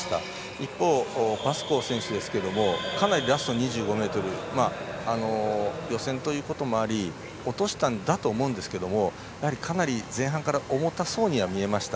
一方、パスコー選手ですがかなりラスト２５ｍ予選ということもあり落としたんだと思いますがかなり前半から重たそうには見えました。